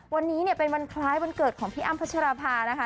วันนี้เนี่ยเป็นวันคล้ายวันเกิดของพี่อ้ำพัชราภานะคะ